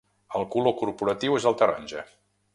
El color corporatiu és el taronja.